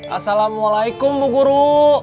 assalamu'alaikum bu guru